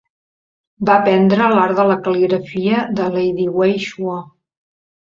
Va aprendre l'art de la cal·ligrafia de Lady Wei Shuo.